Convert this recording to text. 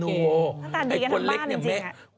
งั้นตายดีกันทั้งบ้านจริง